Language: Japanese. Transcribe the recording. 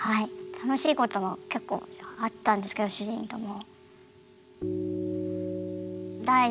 楽しいことも結構あったんですけど主人とも。